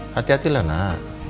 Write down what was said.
hati hati lah nak